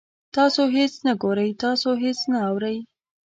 تاسو هیڅ نه ګورئ، تاسو هیڅ نه اورئ